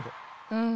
うん。